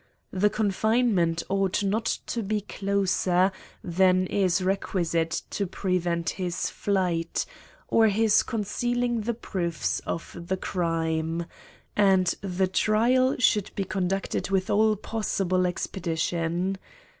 The confinement ought not to be closer than is requisite to prevent his flight, or his con cealing the proofs of the crime ; and the trial should be conducted with all possible expedition.